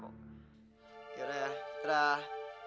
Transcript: yaudah ya dadah